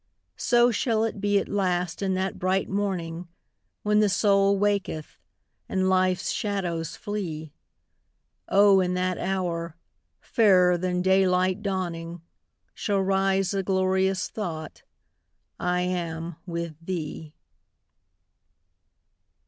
So shall it be at last in that bright morning, When the soul waketh, and life's shadows flee; O in that hour, fairer than daylight dawning, Shall rise the glorious thought I am with Thee.